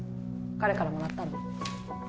彼からもらったの？